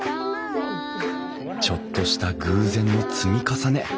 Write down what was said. ちょっとした偶然の積み重ね。